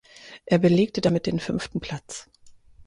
Er belegte damit den fünften Platz.